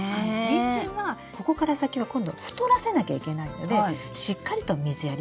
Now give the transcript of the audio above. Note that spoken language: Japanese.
ニンジンはここから先は今度太らせなきゃいけないのでしっかりと水やりをするということ。